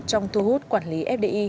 trong thu hút quản lý fdi